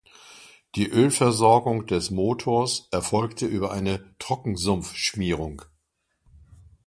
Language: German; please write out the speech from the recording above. Die Ölversorgung des Motors erfolgte über eine Trockensumpfschmierung.